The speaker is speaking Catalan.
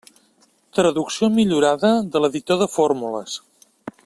Traducció millorada de l'editor de fórmules.